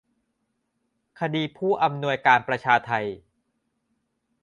คดีผู้อำนวยการประชาไท